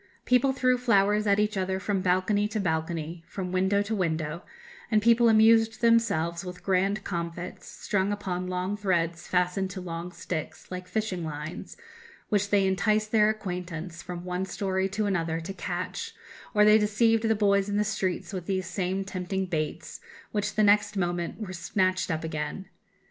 People threw flowers at each other from balcony to balcony, from window to window; and people amused themselves with grand comfits, strung upon long threads fastened to long sticks, like fishing lines, which they enticed their acquaintance, from one story to another, to catch; or they deceived the boys in the streets with these same tempting baits, which the next moment were snatched up again.